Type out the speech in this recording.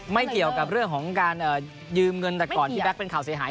ไม่เกี่ยวกับเรื่องของการยืมเงินแต่ก่อนที่แก๊กเป็นข่าวเสียหาย